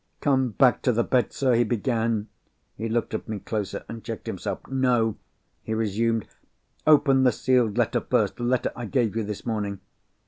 "Come back to the bed, sir!" he began. He looked at me closer, and checked himself "No!" he resumed. "Open the sealed letter first—the letter I gave you this morning."